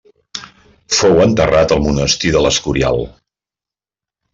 Fou enterrat al Monestir de l'Escorial.